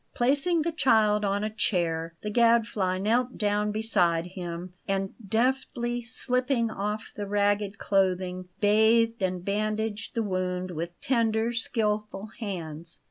Placing the child on a chair, the Gadfly knelt down beside him, and, deftly slipping off the ragged clothing, bathed and bandaged the wound with tender, skilful hands.